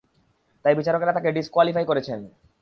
তাই বিচারকরা তাকে ডিস-কোয়ালিফাই করেছেন।